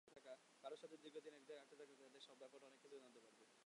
কারো সাথে দীর্ঘদিন এক জায়গায় আটকে থাকলে তাদের ব্যাপারে অনেক কিছু জানতে পারবে।